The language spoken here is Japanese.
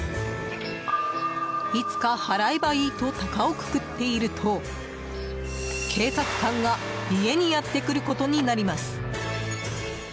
いつか払えばいいと高をくくっていると警察官が家にやってくることになります。